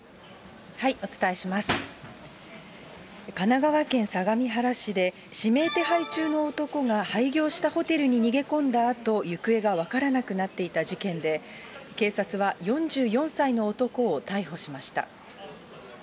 神奈川県相模原市で、指名手配中の男が廃業したホテルに逃げ込んだあと、行方が分からなくなっていた事件で、警察は、４４歳の男を逮捕しました。